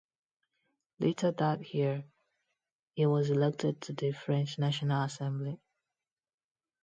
Later that year, he was elected to the French National Assembly.